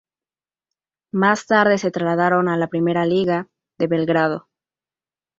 Más tarde se trasladaron a la Primera Liga de Belgrado.